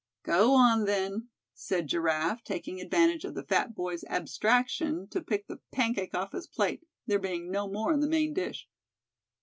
"Go on, then," said Giraffe, taking advantage of the fat boy's abstraction to pick the pancake off his plate, there being no more in the main dish.